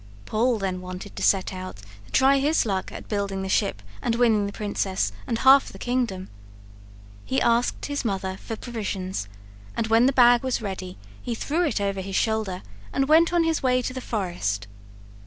Paul then wanted to set out to try his luck at building the ship and winning the princess and half the kingdom. He asked his mother for provisions, and when the bag was ready he threw it over his shoulder and went on his way to the forest.